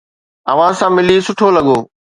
اوھان سان ملي سٺو لڳو.